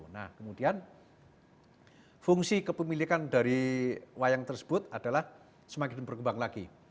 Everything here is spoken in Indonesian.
nah kemudian fungsi kepemilikan dari wayang tersebut adalah semakin berkembang lagi